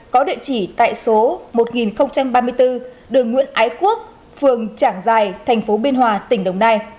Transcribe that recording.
có địa chỉ tại số một nghìn ba mươi bốn đường nguyễn ái quốc phường trảng giài thành phố biên hòa tỉnh đồng nai